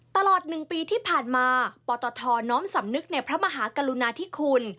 ตลอด๑ปีที่ผ่านมาปตทน้อมสำนึกในพระมหากรุณาธิคุณ